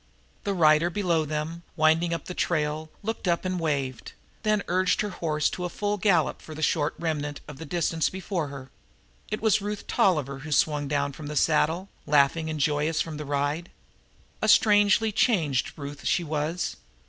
The rider below them, winding up the trail, looked up and waved, then urged her horse to a full gallop for the short remnant of the distance before her. It was Ruth Tolliver who swung down from the saddle, laughing and joyous from the ride. A strangely changed Ruth she was.